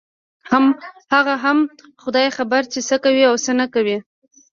هغه هم خداى خبر چې څه کوي او څه نه کوي.